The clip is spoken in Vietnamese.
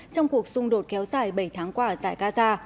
trong cuộc xung đột kéo dài bảy tháng qua ở giải gaza